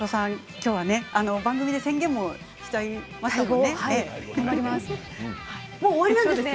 きょうは番組で宣言もしちゃいましたね。